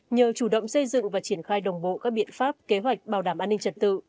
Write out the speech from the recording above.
nhờ chủ động xây dựng và triển khai đồng bộ các biện pháp kế hoạch bảo đảm an ninh trật tự